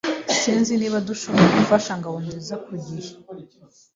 Sinzi niba dushobora gufasha Ngabonziza iki gihe.